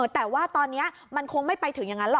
แต่ว่าตอนนี้มันคงไม่ไปถึงอย่างนั้นหรอก